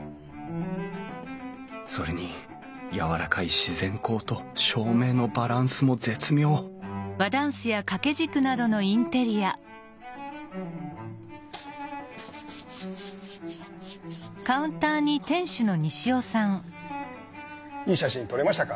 それにやわらかい自然光と照明のバランスも絶妙いい写真撮れましたか？